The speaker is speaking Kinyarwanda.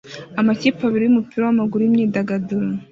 Amakipe abiri yumupira wamaguru yimyidagaduro